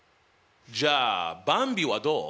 じゃあばんびはどう？